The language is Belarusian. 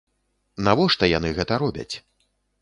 Навошта яны гэта робяць?